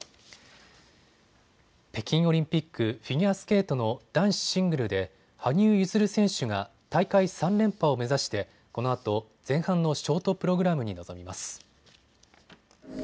北京オリンピック、フィギュアスケートの男子シングルで羽生結弦選手が大会３連覇を目指してこのあと前半のショートプログラムに臨みます。